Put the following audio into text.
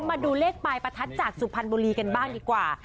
มาดูเลขปลายประทัดจากสุพรรณบุรีกันบ้างดีกว่า